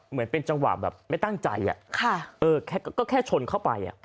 เหมือนเป็นจังหวะแบบไม่ตั้งใจก็แค่ชนเข้าไป